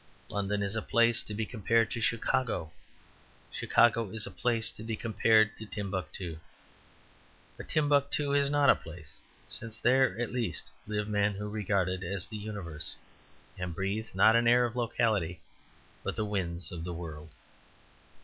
London is a place, to be compared to Chicago; Chicago is a place, to be compared to Timbuctoo. But Timbuctoo is not a place, since there, at least, live men who regard it as the universe, and breathe, not an air of locality, but the winds of the world.